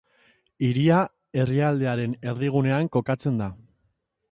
Hiria herrialdearen erdigunean kokatzen da.